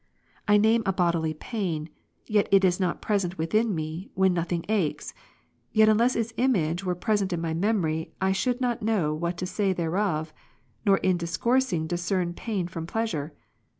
I name a bodily pain, yet it is not present with me, when nothing aches : yet unless its image were present in my memory, I should not know what to say there of, nor in discoursing discern pain from pleasure.